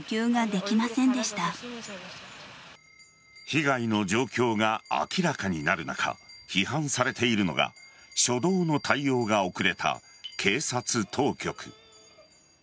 被害の状況が明らかになる中批判されているのが初動の対応が遅れた警察当局。